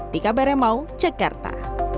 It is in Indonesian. di kabernet mau cekerta